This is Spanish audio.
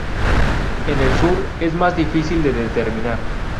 En el Sur es más difícil de determinar.